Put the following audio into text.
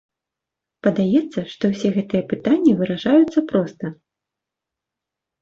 Падаецца, што ўсе гэтыя пытанні вырашаюцца проста.